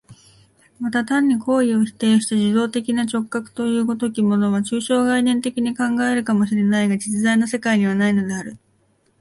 また単に行為を否定した受働的な直覚という如きものは、抽象概念的に考え得るかも知れないが、実在の世界にはないのである。